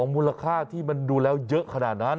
มูลค่าที่มันดูแล้วเยอะขนาดนั้น